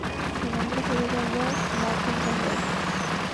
Su nombre se debe a Lord Martin Conway.